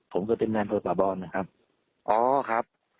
ผมก็เป็นแมนโทษประบอลนะครับ